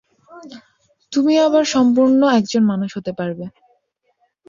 তুমি আবার সম্পূর্ণ একজন মানুষ হতে পারবে।